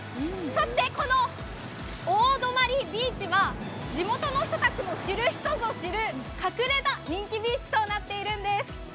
そしてこの大泊ビーチは、地元の人たちも知る人ぞ知る隠れた人気ビーチとなっているんです。